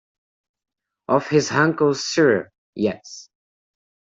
Of his Uncle Cyril, yes.